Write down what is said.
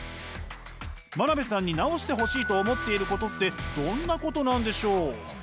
真鍋さんに直してほしいと思っていることってどんなことなんでしょう？